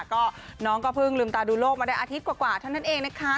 ก็น้องก็เพิ่งลืมตาดูโลกมาได้อาทิตย์กว่าเท่านั้นเองนะคะ